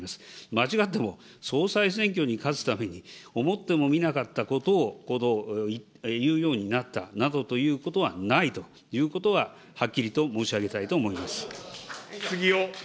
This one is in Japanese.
間違っても、総裁選挙に勝つために、思ってもみなかったことを言うようになったなどということはないということは、はっきりと申し上げたいと思います。